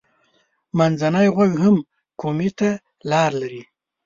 منځنی غوږ هم کومي ته لاره لري.